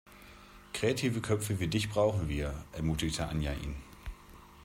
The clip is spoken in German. Kreative Köpfe wie dich brauchen wir, ermutigte Anja ihn.